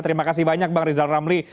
terima kasih banyak bang rizal ramli